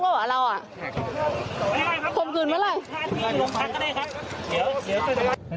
แล้วอ่ะเราอ่ะข่มคืนมาเลยเดี๋ยวเดี๋ยวเดี๋ยวไป